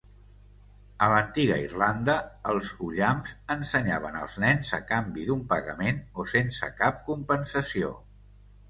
A l'antiga Irlanda els ollams ensenyaven als nens a canvi d'un pagament o sense cap compensació.